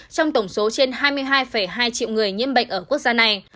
trong tổng số trên hai mươi hai hai triệu người nhiễm bệnh ở quốc gia này